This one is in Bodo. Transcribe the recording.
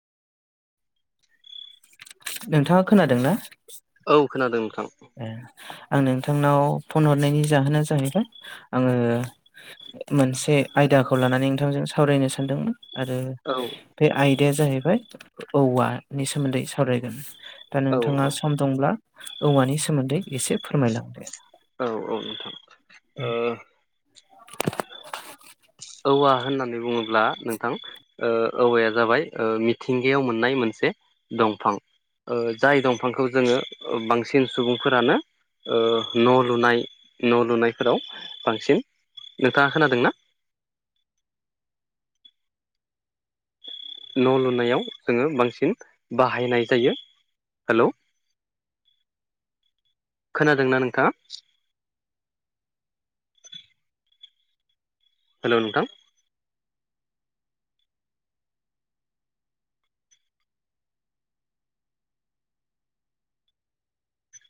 नोंथाङा खोनादों ना। औ खोनादों नोंथां। आं नोंथांनाव फन हरनायनि जाहोना जाहैबाय आङो मोनसे आयदा। बिदाखौ लानानै नोंथांजों सावरायनो सानदोंमोन। आरो औ बे आयदाया जाहैबाय औवानि सोमोन्दै सावरायगोन। दा औ नोंथाङा सम दंब्ला औवानि सोमोन्दै इसे फोरमायलांदो। औ औ नोंथां। ओ [inaudible] औवा होननानै बुङोब्ला नोंथां ओ औवाया जाबाय मिथिंगायाव मोननाय मोनसे। दंफां ओ जाय दंफांखौ जोङो बांसिन सुबुंफोरानो। ओ न' लुनाय न' लुनायफोराव बांसिन। नोंथाङा खोनादों ना? न' लुनायाव जोङो बांसिन बाहायनाय जायो हेलौ। [inaudible] खोनादोंना नोंथाङा। हेलौ नोंथां।